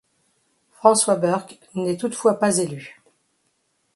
François Burck n'est toutefois pas élu.